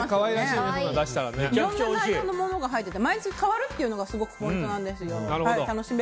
いろんなものが入ってて毎月変わるのもすごくポイントなんですよ。